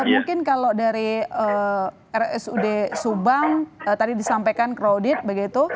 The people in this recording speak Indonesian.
mungkin kalau dari rsud subang tadi disampaikan crowded begitu